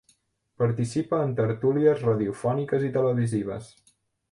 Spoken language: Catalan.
Participa en tertúlies radiofòniques i televisives.